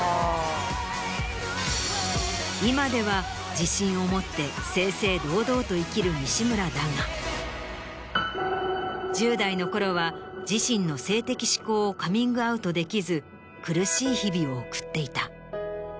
今では自信を持って正々堂々と生きる西村だが１０代の頃は自身の性的指向をカミングアウトできず苦しい日々を送っていた。